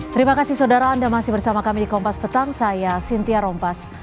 terima kasih saudara anda masih bersama kami di kompas petang saya sintia rompas